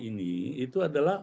ini itu adalah